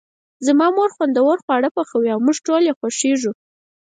زما مور ډیر خوندور خواړه پخوي او موږ ټول یی خوښیږو